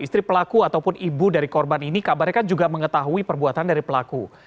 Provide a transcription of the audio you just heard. istri pelaku ataupun ibu dari korban ini kabarnya kan juga mengetahui perbuatan dari pelaku